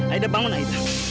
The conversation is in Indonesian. aida bangun aida